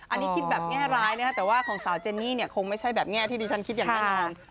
อันนี้คิดแบบแง่ร้ายนะครับแต่ว่าของสาวเจนนี่เนี่ยคงไม่ใช่แบบแง่ที่ดิฉันคิดอย่างแน่นอน